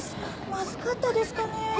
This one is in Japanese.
まずかったですかね？